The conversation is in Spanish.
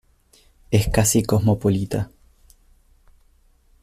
Es casi cosmopolita.